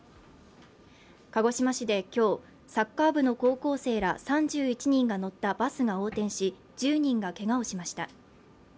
鹿児島市で今日、サッカー部の高校生ら３１人が乗ったバスが横転し１０人がけがをしました。